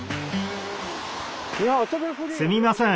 すみません